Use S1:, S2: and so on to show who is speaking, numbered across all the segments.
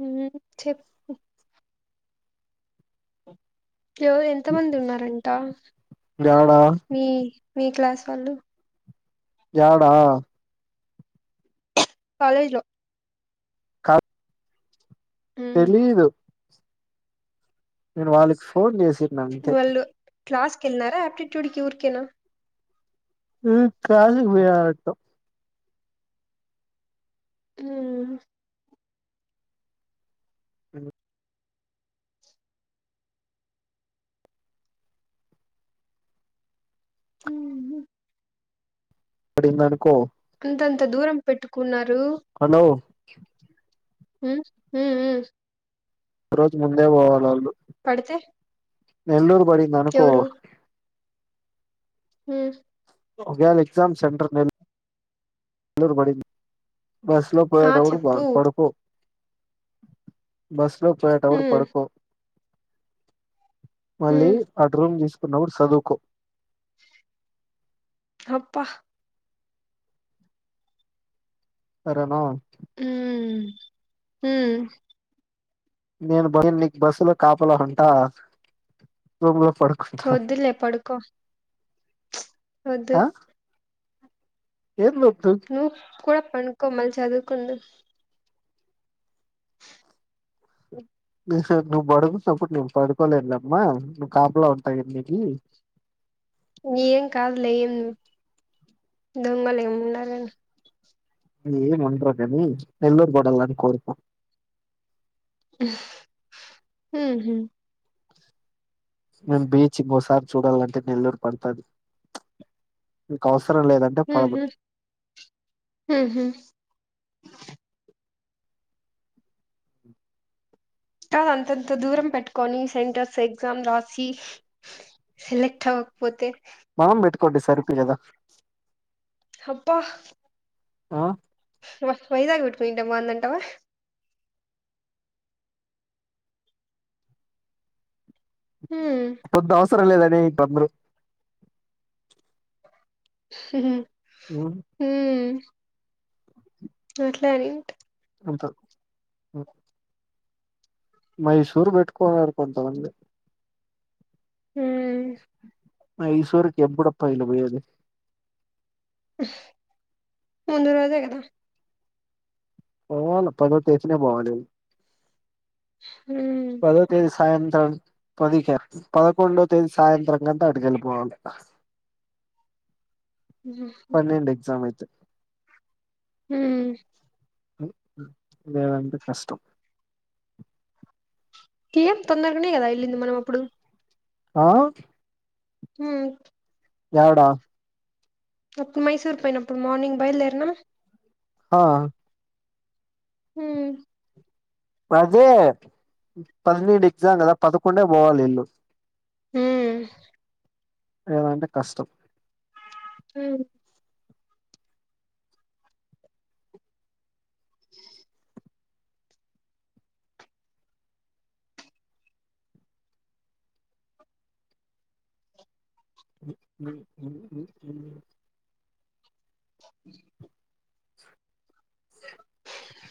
S1: హ్మ్ చెప్ ఎవరు ఎంతమంది ఉన్నారంట
S2: యాడా
S1: మీ మీ క్లాస్ వాళ్ళు
S2: యాడా
S1: కాాలేజ్ లో
S2: కామ్
S1: హ్మ్
S2: తెలియదు నేను వాళ్ళకి ఫోన్ చేసన్నా అంతే
S1: క్లాస్కిళ్ళారా ఆప్టిట్యూడ్ కి ఊర్కేనా
S2: కాసుకి పోయాటం
S1: ఆ
S2: అ
S1: ఆ
S2: అప్పుడుంద అనుకో
S1: ంతంత దూరం పెట్టుకున్నారు
S2: హలో
S1: హ హ
S2: రోజు ముందే పోవాల అల్లు
S1: పడితే
S2: నల్లూరు బడి ననుకో.
S1: హ్మ్మ్.
S2: ఓగేలా ఎగ్జామ్ సెంటర్ నెల. నేల్లూరు పడింది. బస్ లో
S1: ఆ
S2: పొయ్యేటప్పుడు బా
S1: చెప్పు
S2: పడుకో. బస్లో, పొయ్యేటప్పుడు
S1: హ్మ్
S2: పడుకో. మళ్ల,
S1: హ్మ్
S2: అటు రూమ్ తీసుకున్నప్పుడు సదువుకో.
S1: అప్పాహా.
S2: సారేనా.
S1: హ్మ్మ్, హ్మ్మ్.
S2: నేను బయన్ నీకి, బస్సు లో కాపలా ఉంటా? పడుకుంటా
S1: వద్దులే పడుకో. వొద్దు.
S2: ఆ ఏం వద్దు
S1: నువ్ కూడా, పనుకో మల్ల చదువుకుందువు. [unintelligible]
S2: [unintelligible] నిహె, నువ్వు పడుకున్నప్పుడు నేన పడుకోలేనమ్మా. నువ్వు కాపలా ఉంటాయి నకి.
S1: ఏం కాదులే ఏం? దొంగలెమ్మ ఉండరే కధా?
S2: ఏం ఉండర్ కానీ? నెల్లూరు కూడాలని కోరుకో.
S1: ఉహ్, ఉహుం.
S2: మేము, బీచ్ ఇంగొసారి చూడాలంటే నెల్లూరు పడుతాది. మీ కాస.
S1: ఉహ్, ఉహుం.
S2: హ్మ్.
S1: కాదు, అంతంత దూరం పెట్టుకొని సెంటర్స్ ఎగ్జామ్ రాసి. [unintelligible] సెలెక్ట్ అవకపోతే?
S2: మొంబ్‌ పెట్టుకోండి. సర్ పియదా.
S1: హబ్బా!
S2: ఆ?
S1: వాహ్! వైజాగ్ పెట్టుకుని ఉంటే బాగుంటుందంటావా? హ్మ్.
S2: వసరం లేదని ఈ తొందరు.
S1: హుహూ.
S2: ఉమ్.
S1: నో అట్లా రెంట్.
S2: నముత హ్మ్. మైసూరు, పెట్టుకోన్నారు కొంతమంది.
S1: హ్మ్
S2: మైసూరుకి, ఎప్పుడు అబ్బా! ఇలు పోయది?
S1: ఉహ్, ముందు రోజే కదా?
S2: పోను, పదో టేషన్ ఏ బాగుండేది?
S1: హ్మ్
S2: పదో టేషన్? సాయంత్రం పదిక్య? పదూకొండో తేదీ సాయంత్రం కంటా, అటుక వెళ్లి పోవాలి.
S1: హ్మ్
S2: పన్నెండు ఎగ్జామ్ అయ్యితే.
S1: హ్మ్.
S2: ఊ. ఊ. లేదంటే కష్టం.
S1: కి ఏం తొందరగానే కదా, వెళ్లింది మనం అప్పుడు?
S2: ఆ!
S1: హ్మ్.
S2: ఎడా?
S1: అప్పుడు మైసూర్ పోయినప్పుడు, మార్నింగ్ బయలుదేరినామా?
S2: హా.
S1: హ్మ్.
S2: పదే పన్నేండు ఎగ్జామ్ కదా పదకొండే పోవాలీల్లు
S1: మ్
S2: లేదంటే కష్టం
S1: మ్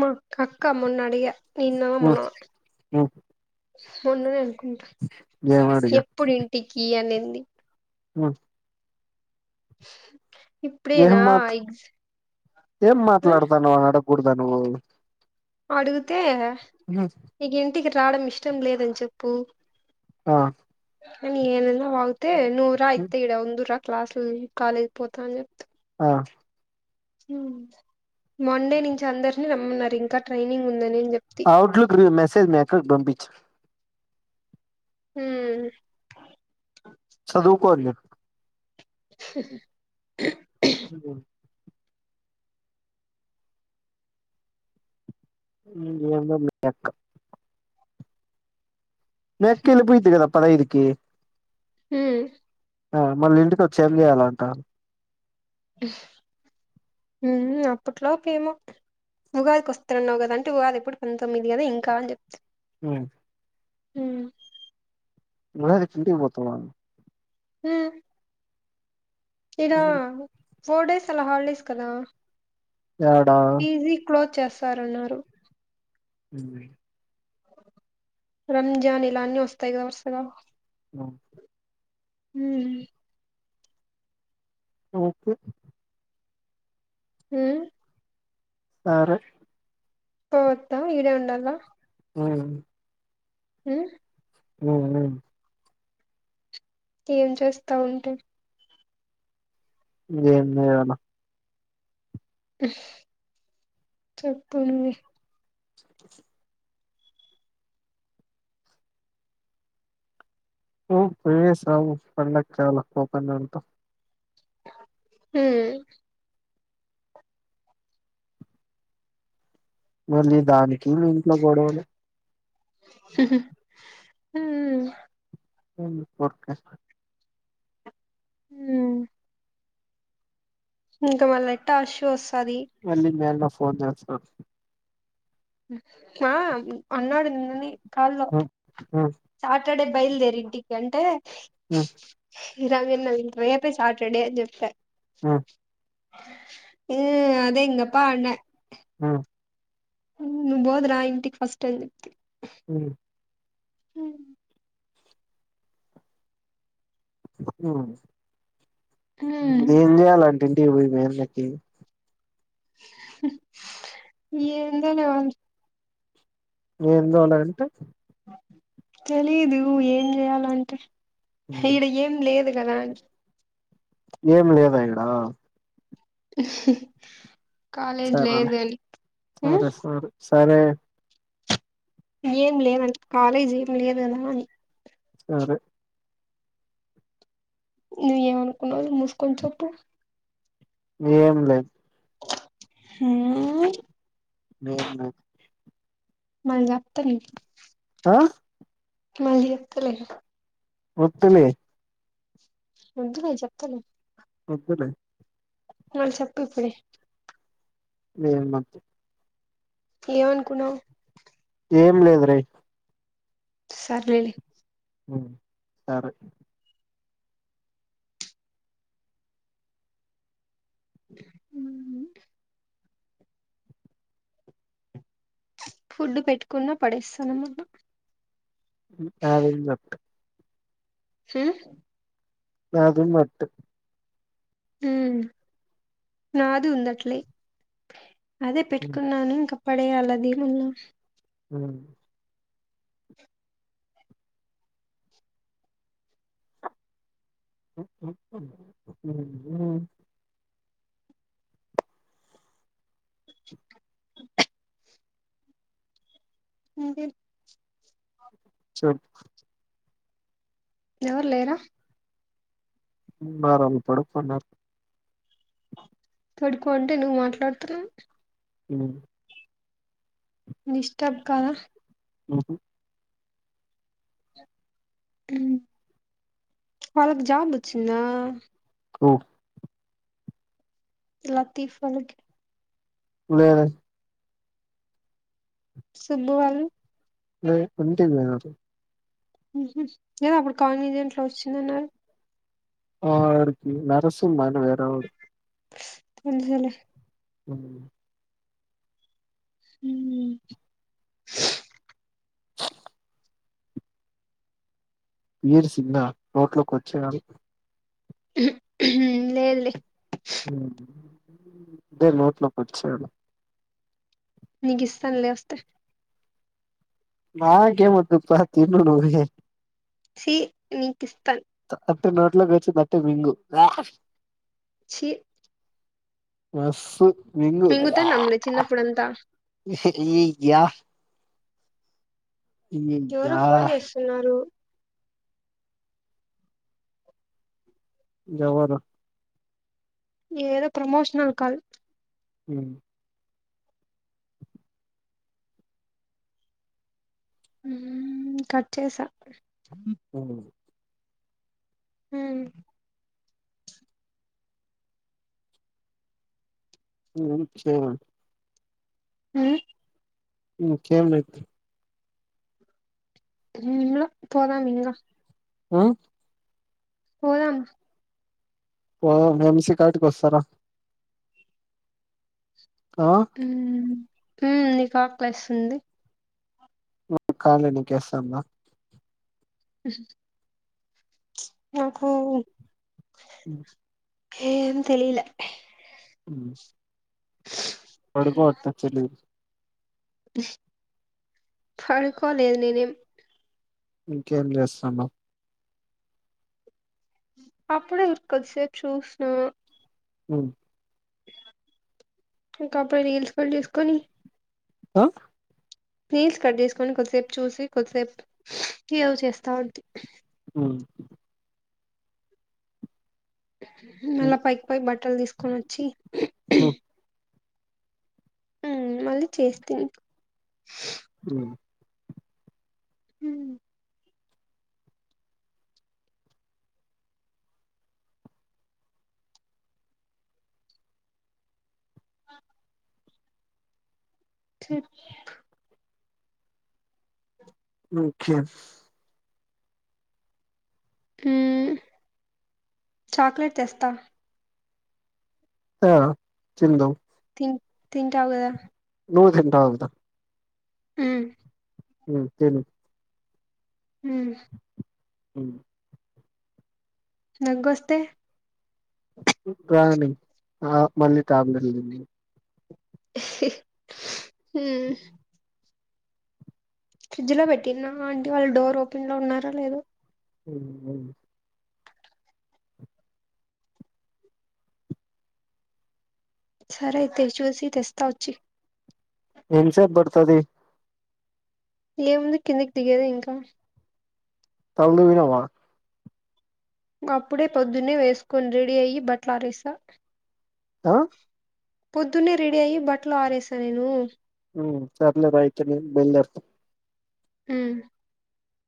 S1: మా అక్క మొన్నడిగే నిన్నమొన్న మొన్ననే అనుకుంటా
S2: ఏం అడిగా
S1: ఎప్పుడింటికి అనింది.
S2: ఆ ఏం
S1: ఇప్పుడేనా
S2: మాట్
S1: ఎగ్జా
S2: ఏం మాట్లాడతన్నావని అడగ్గుడదా నువ్వు
S1: అడిగుతే నీకు ఇంటికి రావడం ఇష్టం లేదని చెప్పు
S2: ఆ
S1: అని ఏందేందో వాగుతే నువ్ రాయితే ఇడ ఉందూర క్లాస్ల్ కాలేజ్ పోతా అని చెప్తి.
S2: ఆ
S1: ఆ మండే నుంచి అందరినీ రమ్మన్నారు ఇంకా ట్రైనింగ్ ఉందని చెప్తి
S2: ఔట్లుక్రి మెసేజ్ మీ అక్కకి పంపించు
S1: హ్మ్.
S2: చదువుకోంది. ఇంగేందో మీ అక్క మీ అక్క ఎల్లిపోయుద్ది కదా పదైదుకి
S1: హ్మ్.
S2: ఆ మళ్ళీంటికోచ్చి ఏం చేయాలంట
S1: మ్ అప్పుట్లో పేమో ఉగాదికి వస్తనన్నావు కదంటే ఉగాది ఎప్పుడు పంతొమ్మిది కదా ఇంకా అని చెప్తి
S2: ఆ
S1: హ్మ్
S2: ఉగాది కింటికి పోతావా
S1: హ్మ్ ఇడా ఫోర్ డేస్ అలా హాలిడేస్ కదా
S2: యాడా
S1: పీజీ క్లోజ్ చేస్తారన్నారు.
S2: అవునా
S1: రంజాన్ ఇలా అన్నీ వస్తాయి కదా వరుసగా మ్ హు
S2: ఓకే
S1: హ్మ్
S2: యారే
S1: పోవత్త ఇడే ఉండాల
S2: అవునా
S1: ఆ
S2: [unintelligible]
S1: ఏం చేస్తావ్ ఉంటే
S2: ఇంగేమ్ జేయాల
S1: చెప్పు నువ్వే
S2: చెప్పు పో పోయేసి రాపో పండక్కయాల పోతన్నరంత
S1: మ్.
S2: మళ్ళీ దానికి ఇంట్లో గొడవలు
S1: హ్మ్
S2: ఓల్ని ఫోర్కస్
S1: హ్మ్ ఇంక వాళ్ళ టా షూస్
S2: మళ్ళీ మేల్నా ఫోన్ జేస్తర్
S1: ఆ అన్నాడు నిన్ననే
S2: ఒప్ ఒ
S1: ఇక్కడే బయల్దేరు ఇంటికి అంటే
S2: హ్మ్
S1: ఇంక నిన్న రేపే సాటర్డే అని చెప్ప
S2: మ్
S1: మ్ అదే ఇంగ పాన్నే
S2: మ్
S1: నువ్వు బోద్ రా ఇంటికి ఫస్ట్ అని చెప్తే
S2: హ్మ్
S1: హ్మ్
S2: ఏం జేయాలన్ తింటే ఓయి మీద నెక్కెవు
S1: ఏందోలే ఉండు
S2: ఎందోలే అంటే
S1: తెలీదు ఏం జేయాలంటే
S2: ఉమ్,
S1: ఇడ ఏం లేదు దలాన్చ్
S2: ఏం లేదా ఇడా
S1: కాాలేజ్
S2: సరేలే
S1: లేదని మ్
S2: సరే సరే సరే
S1: ఏం లేదంట కాలేజ్ ఏం లేదు కదా అని
S2: సరే
S1: నువ్వు ఏమనుకున్నావ్ అది మూసుకొని చెప్పు
S2: ఏం లే
S1: హ్మ్మ్
S2: ఏం లేదు
S1: మల్ రఫ్తని
S2: అ!
S1: మళ్ళీ చెప్తలే
S2: వద్దులే
S1: ఉండు నేను చెప్తలే
S2: వద్దులే
S1: అ చెప్పు ఇప్పుడే
S2: నిజం మాప్తి
S1: ఏం అనుకున్నావ్
S2: ఏం లేదు రేయ్
S1: సర్లేలే
S2: హ్మ్ సరే
S1: మ్మ్ మ్మ్ ఫుడ్ పెట్టుకున్నా పడేస్సాను మొన్న
S2: ఈట్ హావింగ్ లెఫ్ట్
S1: హ్మ్
S2: నాతో మట్టు
S1: హ్మ్ నాది ఉందట్లే అదే
S2: ఉమ్,
S1: పెట్టుకున్నాను ఇంకా పడేయాలి అది మళ్ళ
S2: హ్మ్
S1: అంటే
S2: చెప్ప
S1: ఎవరు లేరా
S2: ారాల పడుకున్నారుారు
S1: పడుకో అంటే నువ్వు మాట్లాడుతున్నా
S2: హ్మ్మ్
S1: డిష్టబ్ కాలా
S2: బకు [unintelligible]
S1: వాళ్ళకి జాబ్ వచ్చిందా
S2: కు
S1: లతీఫ వాళ్లకి
S2: లేద
S1: సుబ్బు వాళ్లు
S2: కిరాయ సొంతిల్లా
S1: కదా అప్పుడు కాాలజ ఇంట్లో వచ్చిందన్నారు
S2: ఆయనకే నరసింహ వేరేవాళ్లు
S1: అదేలే
S2: అ
S1: హ
S2: వీర్ సిహ రోట్లోకి వచ్చేవాడు
S1: లేదులే
S2: అే నోట్ లో కోచాడు
S1: నీకు ఇస్తానులే వస్తే
S2: నాకేమద్దుప్ప తిన్న నువే
S1: సి నీ కిస్తస్తాను
S2: అట్టే నోట్లో వచ్చిందిట్టే మింగు
S1: చి
S2: బస్
S1: మింగుతానంలే చిన్నప్పుడంతా
S2: మంగూకయా
S1: ఎవరో ఫోన్ చేస్తున్నారు
S2: ఎవరు
S1: ఏదో ప్రమోషనల్ కాల్
S2: ఊమ్
S1: ఊమ్ కట్ చేసా
S2: ఉం
S1: ఊమ్
S2: ఏం చెయ
S1: ఊ
S2: ఇంకేం ఐతే
S1: ఏమ్లా పోదమింగ
S2: హమ్
S1: పోదామ్
S2: పోదాం కార్ట్కి కొస్తరా ఆ
S1: ఊమ్ ఉమ్ నికా క్లాస్తుంది
S2: కాలే నీకేస్తాంద
S1: అహ నాకు
S2: ఉ
S1: ఏం తెలిల
S2: ఉమ్ పడుకో వస్తాడు చెల్లి
S1: పడుకోలేద్ నేనేం
S2: ఇంకేం జేస్తన్నవ్
S1: అప్పుడే ఇంకా కొద్దు సేప్ చూసిన
S2: ఉమ్
S1: ఇంకప్పుడు రీల్స్ కూల్ జేస్కోని
S2: అ
S1: నీల్స్ కట్ జేసుకొని కొద్దిసేపు చూసి కొద్దిసేపు యో చేస్తా అంటి
S2: ఉ
S1: మళా పైకి పొయి బట్టలు దీసుకొని ఒచ్చి
S2: ఉమ్
S1: ఉమ్ మళ్ళీ చేస్తివి
S2: ఉ
S1: ఊ అ చెపు
S2: ఇంకేం
S1: ఊమ్ చాక్లెట్ తెస్తా
S2: త్యా తిందం
S1: తిటావుగదా
S2: నువ్ దింటావ్ గద
S1: ఊ
S2: ఉ తిను
S1: ఊ
S2: ఉమ్
S1: దగ్గు వస్తే
S2: రానీ ఆ మళ్ళీ టాబ్లెట్లు తిందువు
S1: ఇహ్ హ్ ఊమ్ ఫ్రిడ్జ్ లో వెట్టినా ఆంటీ వాళ్ళు డోర్ ఓపెన్ లో ఉన్నారో లేదో
S2: ఉం ఉం
S1: సరే అయితే చూసి తెస్తా ఒచ్చి
S2: ఎంసేపు బడుతది
S1: ఏముంది కిందికి దిగేది ఇంకా
S2: తల్లు వినావా
S1: అప్పుడే పొద్దున్నే వేసుకొని రెడీ అయ్యి బట్ల ఆరేసా
S2: ఆ
S1: పొద్దున్నే రెడీ అయ్యి బట్టలు ఆరేశా నేను
S2: ఉ సర్లే బాయ్ అయితే నేను బయలుదేరుతా
S1: ఉ